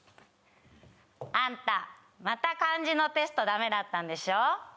あんたまた漢字のテストダメだったんでしょ？